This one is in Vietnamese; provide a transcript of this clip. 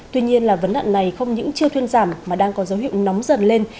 tuy nhiên là vấn nạn này không những chưa thuyên giảm mà đang có dấu hiệu nóng dần lên